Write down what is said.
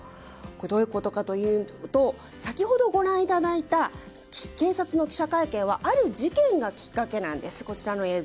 どういうことかというと先ほどご覧いただいた警察の記者会見はある事件がきっかけなんです。